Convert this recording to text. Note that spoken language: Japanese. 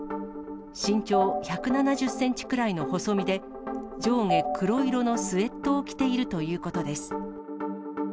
身長１７０センチくらいの細身で、上下黒色のスウェットを着ているということです。